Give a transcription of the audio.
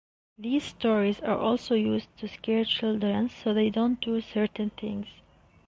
These stories are also used to scare children so they don't do certain things.